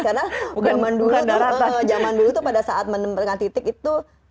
ternyata itu laut karena zaman dulu pada saat menempatkan titik itu tadi kita lihat